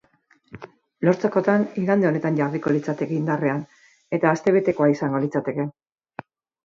Lortzekotan, igande honetan jarriko litzateke indarrean, eta astebetekoa izango litzateke.